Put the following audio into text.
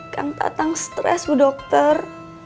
kang tatang stres bu dokter